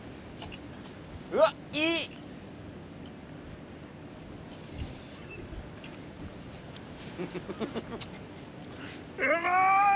うわいい！